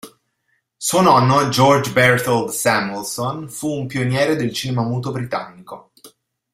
Suo nonno, George Berthold Samuelson, fu un pioniere del cinema muto britannico.